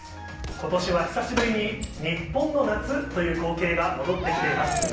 ことしは久しぶりに日本の夏という光景が戻ってきています。